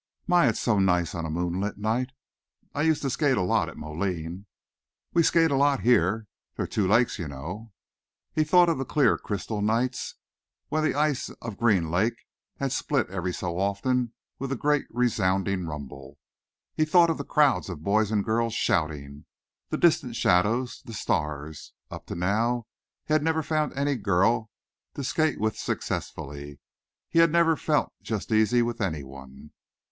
"My, it's so nice on a moonlit night. I used to skate a lot at Moline." "We skate a lot here. There're two lakes, you know." He thought of the clear crystal nights when the ice of Green Lake had split every so often with a great resounding rumble. He thought of the crowds of boys and girls shouting, the distant shadows, the stars. Up to now he had never found any girl to skate with successfully. He had never felt just easy with anyone.